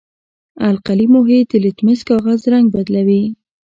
القلي محیط د لتمس کاغذ رنګ بدلوي.